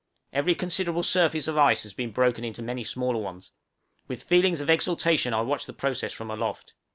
Every considerable surface of ice has been broken into many smaller ones; with feelings of exultation I watched the process from aloft.